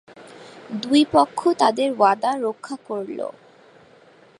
দুই পক্ষ তাদের ওয়াদা রক্ষা করল।